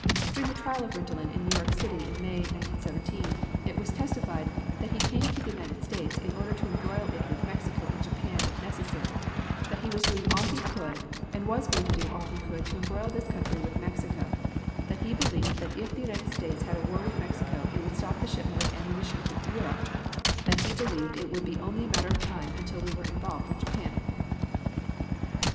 During the trial of Rintelen in New York City in May, 1917, it was testified "that he came to the United States in order to embroil it with Mexico and Japan if necessary; that he was doing all he could and was going to do all he could to embroil this country with Mexico; that he believed that if the United States had a war with Mexico it would stop the shipment of ammunition to Europe; that he believed it would be only a matter of time until we were involved with Japan."